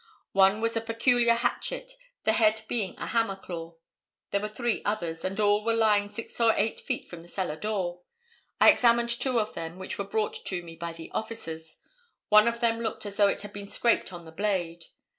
One was a peculiar hatchet, the head being a hammer claw. There were three others, and all were lying six or eight feet from the cellar door. I examined two of them, which were brought to me by the officers. One of them looked as though it had been scraped on the blade.